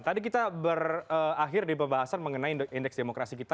tadi kita berakhir di pembahasan mengenai indeks demokrasi kita